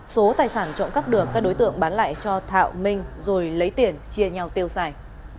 số tài sản trộm cắp được các đối tượng bán lại cho thạo minh rồi lấy tiền chia nhau tiêu xài